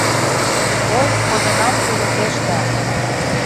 Ой, кодынам тулыкеш да